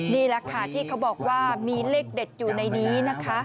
นี่แหละค่ะที่เขาบอกว่ามีเลขเด็ดอยู่ในนี้นะคะ